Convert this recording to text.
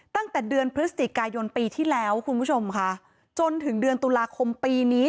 ตั้งแต่เดือนพฤศจิกายนปีที่แล้วคุณผู้ชมค่ะจนถึงเดือนตุลาคมปีนี้